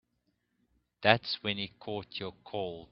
That's when he caught your cold.